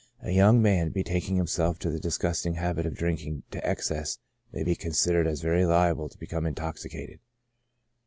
A young man betaking himself to the disgusting habit of drinking to excess may be considered as very liable to be come intoxicated.